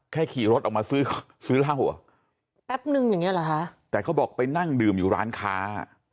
แค่ขี่รถออกมาซื้อเหล้าแต่เขาบอกไปนั่งดื่มอยู่ร้านค้า